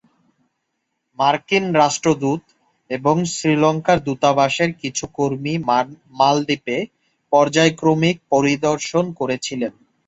মার্কিন রাষ্ট্রদূত এবং শ্রীলঙ্কায় দূতাবাসের কিছু কর্মী মালদ্বীপে পর্যায়ক্রমিক পরিদর্শন করেছিলেন।